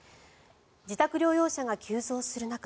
自宅療養者が急増する中